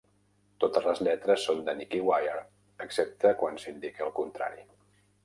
Totes les lletres són de Nicky Wire, excepte quan s'indica el contrari.